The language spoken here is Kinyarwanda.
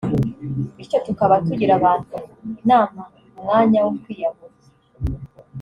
Bityo tukaba tugira abantu inama mu mwanya wo kwiyahura